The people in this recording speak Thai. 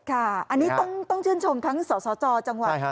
ค่ะอันนี้ต้องชื่นชมทั้งสสจจังหวัด